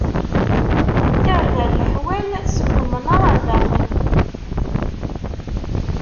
Tarda n leḥwal, seg umnaṛ ar daxel.